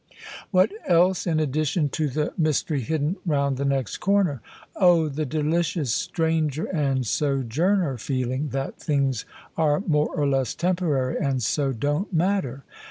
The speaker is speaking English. ''What else, in addition to the mystery hidden round the next comer?" Oh ! the delicious stranger and sojoumer feeling that things are more or less temporary, and so don't matter.